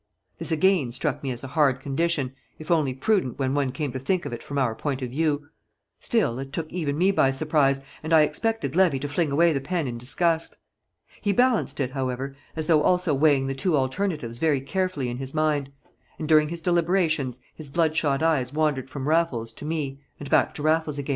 This, again, struck me as a hard condition, if only prudent when one came to think of it from our point of view; still, it took even me by surprise, and I expected Levy to fling away the pen in disgust. He balanced it, however, as though also weighing the two alternatives very carefully in his mind, and during his deliberations his bloodshot eyes wandered from Raffles to me and back again to Raffles.